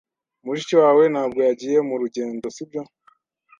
Mushiki wawe ntabwo yagiye mu rugendo, sibyo?